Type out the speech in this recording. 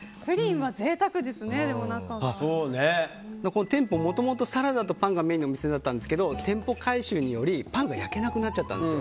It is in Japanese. この店舗はもともとサラダとパンがメインのお店だったんですけど店舗改修により、パンが焼けなくなっちゃったんです。